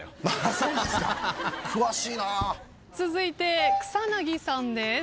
続いて草薙さんです。